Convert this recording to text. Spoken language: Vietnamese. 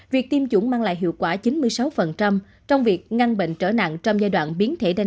việc tiêm chủng mang lại hiệu quả chín mươi sáu trong việc ngăn bệnh trở nặng trong giai đoạn biến thể đa